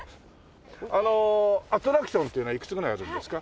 あのアトラクションっていうのはいくつくらいあるんですか？